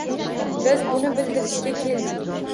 Biz buni bildirishga keldik.